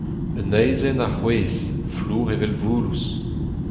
Un aezhenn a c'hwezh, flour evel voulouz.